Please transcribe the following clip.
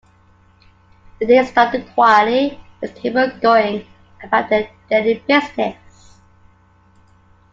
The day started quietly, with people going about their daily business.